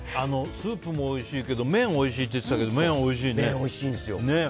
スープもおいしいけど麺がおいしいって言ってたけど麺おいしいんですよ！